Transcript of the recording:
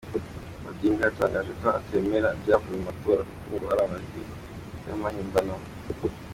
Odinga yatangaje ko atemera ibyavuye mu matora kuko ngo ari amajwi y’amahmbano.